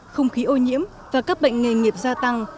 không khí ô nhiễm và các bệnh nghề nghiệp gia tăng